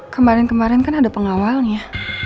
kemarin kemarin kan ada pengawalnya